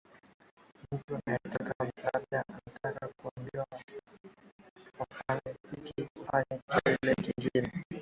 a mtu anayetaka msaada anataka kwambiwa ufanye hiki ufanya kile kingine